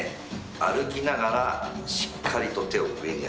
歩きながらしっかりと手を上に上げる。